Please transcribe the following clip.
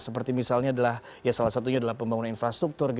seperti misalnya adalah salah satunya adalah pembangunan infrastruktur